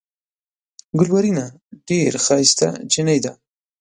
ګلورينه ډېره ښائسته جينۍ ده۔